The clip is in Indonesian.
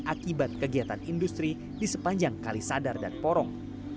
akibat kegiatan industri di sepanjang kali sadar dan porong